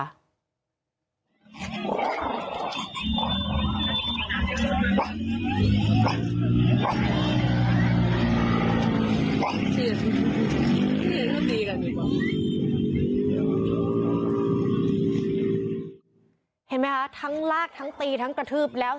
เห็นไหมคะทั้งลากทั้งตีทั้งกระทืบแล้ว